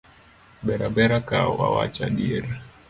Ber a bera ka wawacho adier